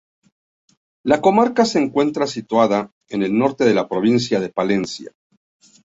La comarca se encuentra situada en el norte de la provincia de Palencia.